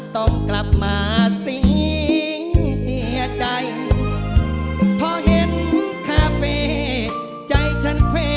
ต๊อมมาลัยให้เธอ